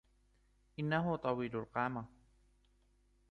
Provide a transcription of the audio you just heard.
إنه طويل القامة.